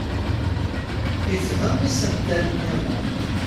Ifehhem isental-nniḍen.